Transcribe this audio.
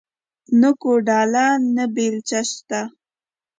نه کوداله نه بيلچه شته